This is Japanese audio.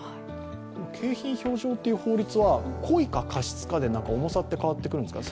景品表示法は故意か過失かで重さが変わってくるんですか？